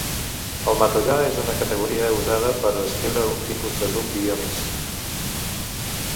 El matollar és una categoria usada per descriure un tipus de grup biomes.